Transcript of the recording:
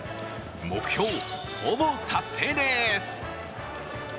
目標、ほぼ達成です。